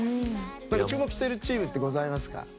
注目しているチームってございますか？